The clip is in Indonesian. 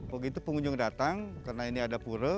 waktu itu pengunjung datang karena ini ada pura